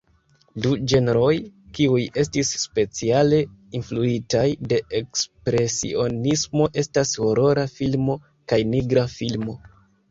Du ĝenroj kiuj estis speciale influitaj de Ekspresionismo estas horora filmo kaj nigra filmo.